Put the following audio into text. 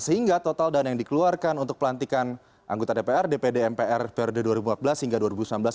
sehingga total dana yang dikeluarkan untuk pelantikan anggota dpr dpd mpr periode dua ribu empat belas hingga dua ribu sembilan belas